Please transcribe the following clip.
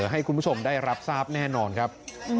ให้คุณผู้ชมได้รับทราบแน่นอนครับ